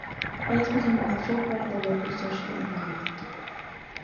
It has become a natural part of the local social environment.